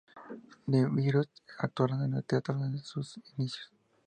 The Beatles actuaron en el teatro en sus inicios.